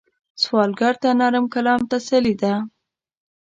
سوالګر ته نرم کلام تسلي ده